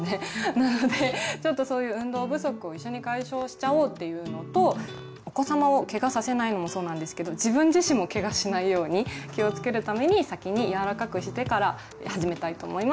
なのでちょっとそういう運動不足を一緒に解消しちゃおうというのとお子様をけがさせないのもそうなんですけど自分自身もけがしないように気をつけるために先に柔らかくしてから始めたいと思います。